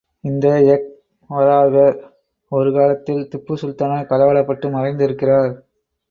இந்த யக்ஞவராகர் ஒரு காலத்தில் திப்பு சுல்தானால் களவாடப்பட்டு மறைந்திருக்கிறார்.